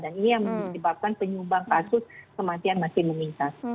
dan ini yang menyebabkan penyumbang kasus kematian masih memintas